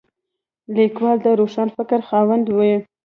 لیکوال د روښان فکر خاوند وي.